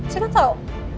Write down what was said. saya gak tau